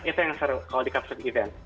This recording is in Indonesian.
itu yang seru kalau di caption event